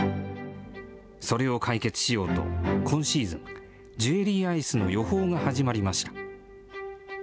それを解決しようと、今シーズン、ジュエリーアイスの予報が始まりました。